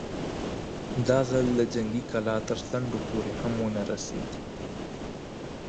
دا ځل د جنګي کلا تر څنډو پورې هم ونه رسېد.